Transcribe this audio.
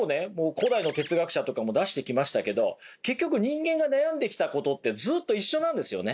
古代の哲学者とかも出してきましたけど結局人間が悩んできたことってずっと一緒なんですよね。